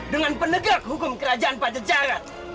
dengan penegak hukum kerajaan pajajaran